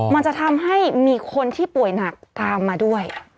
มันจะทำให้มีคนที่ป่วยหนักตามมาด้วย